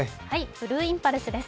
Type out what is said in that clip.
ブルーインパルスです。